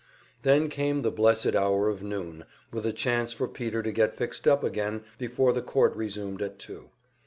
Then came the blessed hour of noon, with a chance for Peter to get fixed up again before the court resumed at two.